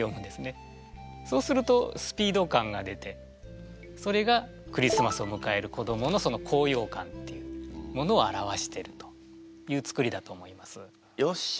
そうするとスピード感が出てそれがクリスマスを迎える子どもの高よう感っていうものを表してるというつくりだと思います。